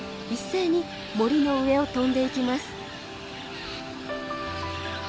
一斉に森の上を飛んでいきます。